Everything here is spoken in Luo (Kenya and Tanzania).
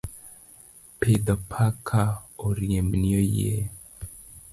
Pidh paka oriembni oyieyo.